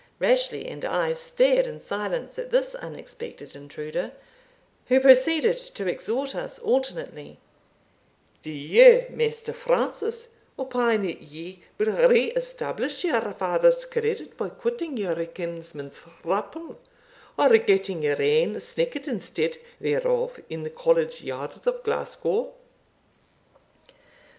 Rashleigh and I stared in silence at this unexpected intruder, who proceeded to exhort us alternately: "Do you, Maister Francis, opine that ye will re establish your father's credit by cutting your kinsman's thrapple, or getting your ain sneckit instead thereof in the College yards of Glasgow?